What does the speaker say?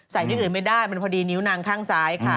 ที่อื่นไม่ได้มันพอดีนิ้วนางข้างซ้ายค่ะ